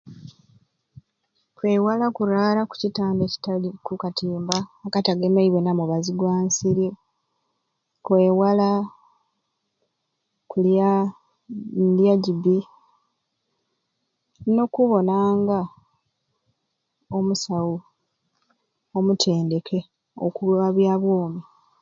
Kwewala kurara ku miranda kitaluku katimba akatagemebwe na mubazi gwa nsiri kwewala kulya ndya gibi nokubonanga omusawu omutendeke oku lw'abyabomi